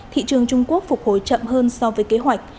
thị trường trung quốc phục hồi chậm hơn so với kế hoạch